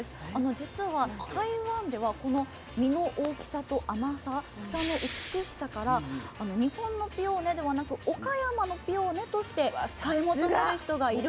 じつは台湾ではこの実の大きさと甘さ房の美しさから日本のピオーネではなく岡山のピオーネとして買い求める人がいるほど。